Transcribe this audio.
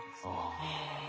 へえ。